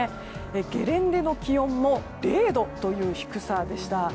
ゲレンデの気温も０度という低さでした。